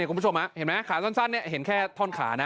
คุณผู้ชมเห็นไหมขาสั้นเห็นแค่ท่อนขานะ